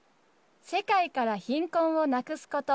世界から貧困をなくすこと。